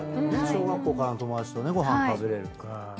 小学校からの友達とご飯食べれる。